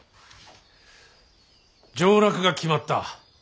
上洛が決まった。